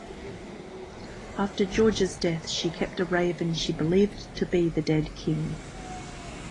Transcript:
After George's death, she kept a raven she believed to be the dead king.